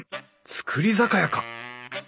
造り酒屋か！